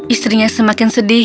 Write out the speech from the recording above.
istrinya semakin sedih